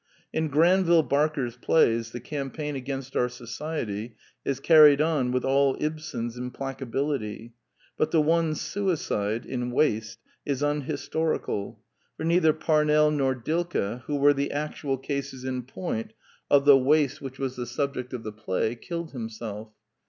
In Granville Barker's plays, the campaign against our society is carried on with all Ibsen's implaca bility; but the one suicide (in Waste) is unhis torical; for neither Parnell nor Dilke, who were the actual cases in point of the waste which was 2 28 The Quintessence of Ibsenism the subject of the play, killed himself.